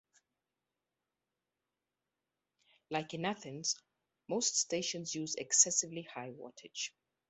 Like in Athens, most stations use excessively high wattage.